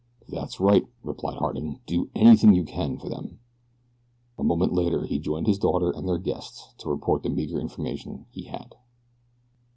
"That's right," replied Harding; "do anything you can for them." A moment later he joined his daughter and their guests to report the meager information he had.